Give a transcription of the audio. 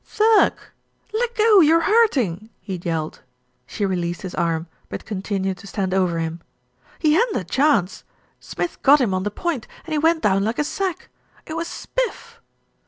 "Thirk Leggo, you're hurting," he yelled. She released his arm; but continued to stand over him. "He hadn't a chance. Smith got him on the point, and he went down like a sack. It was spif."